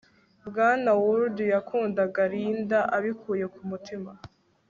bwana wood yakundaga linda abikuye ku mutima